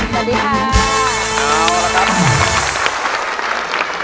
ขอบคุณครับ